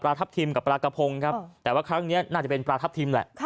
ทับทิมกับปลากระพงครับแต่ว่าครั้งนี้น่าจะเป็นปลาทับทิมแหละ